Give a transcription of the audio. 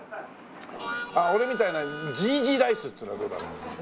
俺みたいなジージライスっつうのはどうだろう？